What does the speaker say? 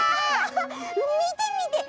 みてみて！